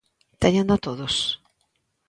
¿Téñena todos?